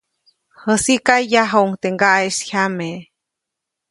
Jäsiʼka, yajuʼuŋ teʼ ŋgaʼeʼis jyame.